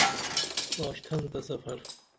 پاشتھن تہ سفر